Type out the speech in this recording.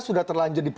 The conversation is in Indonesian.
sudah terlanjur terbuka